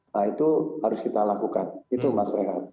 nah itu harus kita lakukan itu mas rehat